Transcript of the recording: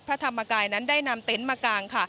พระธรรมกายนั้นได้นำเต็นต์มากางค่ะ